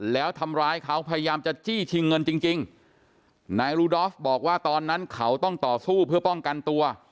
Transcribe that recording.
แล้วทำร้ายเขาพยายามจะจี้ชิงเงินจริงจริงนายรูดอฟบอกว่าตอนนั้นเขาต้องต่อสู้เพื่อป้องกันตัว